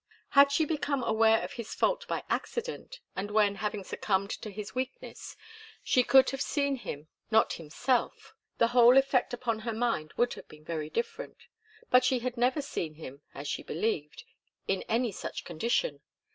Had she become aware of his fault by accident, and when, having succumbed to his weakness, she could have seen him not himself, the whole effect upon her mind would have been very different. But she had never seen him, as she believed, in any such condition.